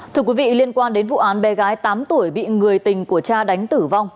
thưa quý vị liên quan đến vụ án bé gái tám tuổi bị người tình của cha đánh tử vong